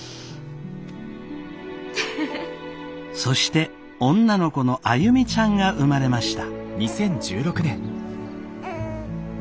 そして女の子の歩ちゃんが生まれました。